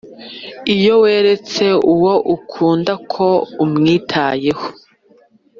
Iyo weretse uwo ukunda ko umwitayeho